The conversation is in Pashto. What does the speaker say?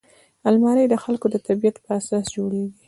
الماري د خلکو د طبعیت په اساس جوړیږي